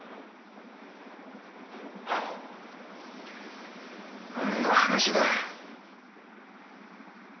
ハァ何の話だ。